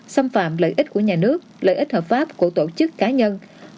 xâm phạm lợi ích của nhà nước lợi ích hợp pháp của tổ chức cá nhân